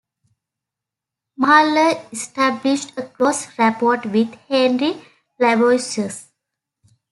Mahler established a close rapport with Henry Labouisse.